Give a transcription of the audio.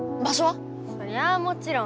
そりゃあもちろん。